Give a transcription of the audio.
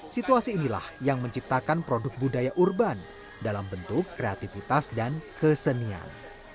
situasi inilah yang menciptakan produk budaya urban dalam bentuk kreativitas dan kesenian